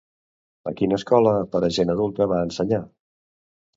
A quina escola per a gent adulta va ensenyar?